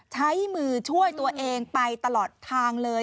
ใช้มือช่วยตัวเองไปตลอดทางเลย